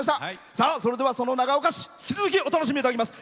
それでは、その長岡市引き続き、お楽しみいただきます。